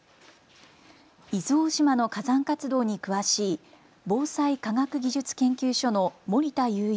伊豆大島の火山活動に詳しい防災科学技術研究所の森田裕一